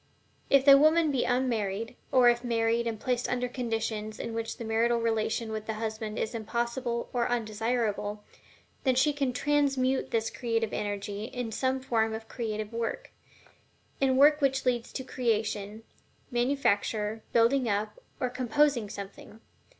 If the woman be unmarried, or if married and placed under conditions in which the marital relation with the husband is impossible or undesirable, then she can TRANSMUTE this creative energy in some form of creative work in work which leads to the creation, manufacture, building up, or composing something.